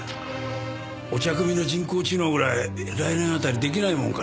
お茶くみの人工知能ぐらい来年あたり出来ないもんかね。